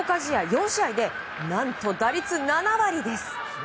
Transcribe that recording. ４試合で何と打率７割です。